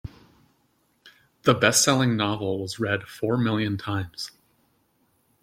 The bestselling novel was read four million times.